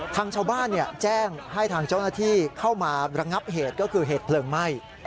ทางชาวบ้านแจ้งให้ทางเจ้าหน้าที่เข้ามาระงับเหตุก็คือเหตุเพลิงไหม้